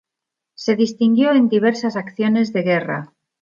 Se distinguió en diversas acciones de guerra.